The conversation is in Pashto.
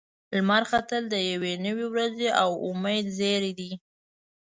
لمر ختل د یوې نوې ورځې او امید زیری دی.